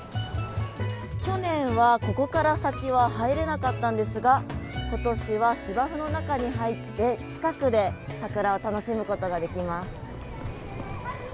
去年はここから先は入れなかったんですが今年は芝生の中に入って近くで桜を楽しむことができます。